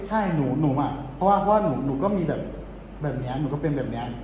ใช่หนูอ่ะเพราะว่าหนูก็มีแบบแบบนี้หนูก็เป็นแบบนี้